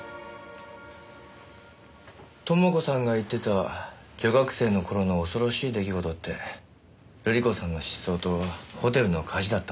朋子さんが言ってた女学生の頃の恐ろしい出来事って瑠璃子さんの失踪とホテルの火事だったんですね。